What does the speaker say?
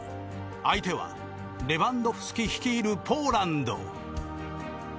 相手はレバンドフスキ率いるポーランド。